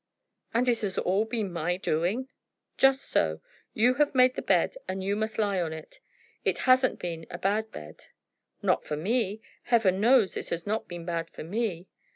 "And it has all been my doing?" "Just so. You have made the bed and you must lie on it. It hasn't been a bad bed." "Not for me. Heaven knows it has not been bad for me."